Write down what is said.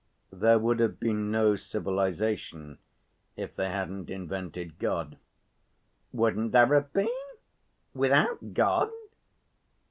"There would have been no civilization if they hadn't invented God." "Wouldn't there have been? Without God?"